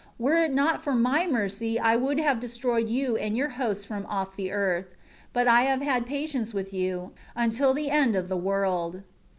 5 Were it not for My mercy I would have destroyed you and your hosts from off the earth. But I have had patience with you, until the end of the world."